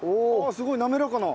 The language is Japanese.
すごいなめらかな。